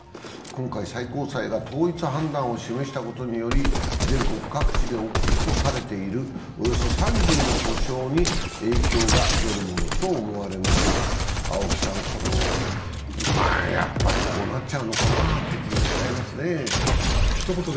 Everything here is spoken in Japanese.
今回、最高裁が統一判断を示したことにより全国各地で起こされているおよそ３０の訴訟に影響が出るものと思われますが、これもやっぱりこうなっちゃうのかという気がしちゃいますね。